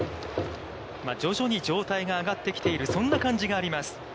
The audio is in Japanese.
徐々に状態が上がってきている、そんな感じがあります。